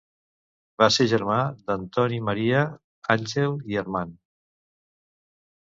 Va ser germà d'Antoni Maria, Àngel i Armand.